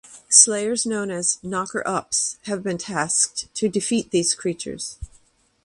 Slayers known as "Knocker Ups" have been tasked to defeat these creatures.